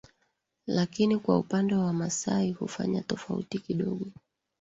Lakini kwa upande wa wamasai hufanya tofauti kidogo